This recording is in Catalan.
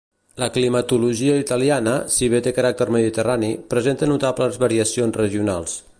La climatologia italiana, si bé té caràcter mediterrani, presenta notables variacions regionals.